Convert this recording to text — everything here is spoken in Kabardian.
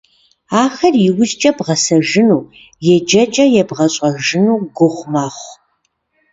Ахэр иужькӀэ бгъэсэжыну, еджэкӀэ ебгъэщӀэжыну гугъу мэхъу.